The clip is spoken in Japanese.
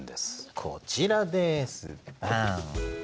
こちらですバン。